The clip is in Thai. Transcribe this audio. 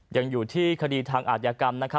ยังอยู่ที่คดีทางอาจยากรรมนะครับ